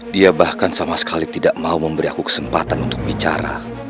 dia bahkan sama sekali tidak mau memberi aku kesempatan untuk bicara